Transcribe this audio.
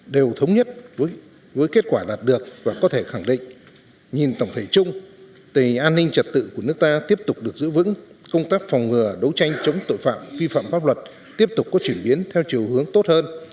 đều thống nhất với kết quả đạt được và có thể khẳng định nhìn tổng thể chung tình an ninh trật tự của nước ta tiếp tục được giữ vững công tác phòng ngừa đấu tranh chống tội phạm vi phạm pháp luật tiếp tục có chuyển biến theo chiều hướng tốt hơn